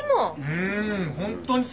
うん。